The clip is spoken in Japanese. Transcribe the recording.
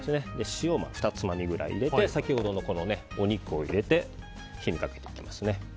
塩も２つまみくらい入れて先ほどのお肉を入れて火にかけていきますね。